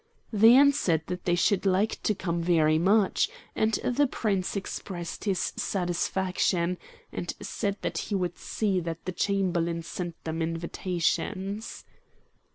They answered that they should like to come very much, and the Prince expressed his satisfaction, and said that he would see that the chamberlain sent them invitations.